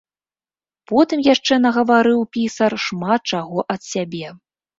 Потым яшчэ нагаварыў пісар шмат чаго ад сябе.